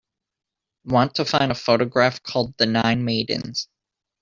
Want to find a photograph called The Nine Maidens